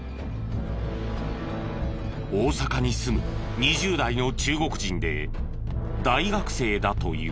大阪に住む２０代の中国人で大学生だという。